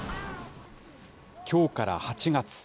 きょうから８月。